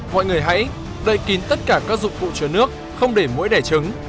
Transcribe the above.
mọi người hãy đậy kín tất cả các dụng cụ chứa nước không để mũi đẻ trứng